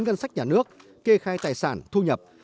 ngân sách nhà nước kê khai tài sản thu nhập